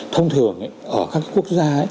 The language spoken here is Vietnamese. thông thường ở các quốc gia